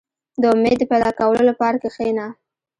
• د امید د پیدا کولو لپاره کښېنه.